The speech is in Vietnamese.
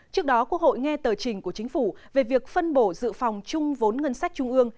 trước đó quốc hội nghe tờ trình của chính phủ về việc phân bổ dự phòng chung vốn ngân sách trung ương